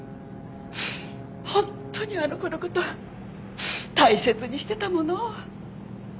本当にあの子の事大切にしてたもの。